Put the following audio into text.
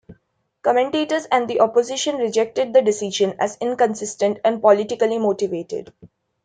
Commentators and the opposition rejected the decision as inconsistent and politically motivated.